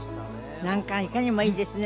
何かいかにもいいですね